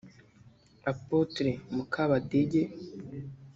Apotre Mukabadege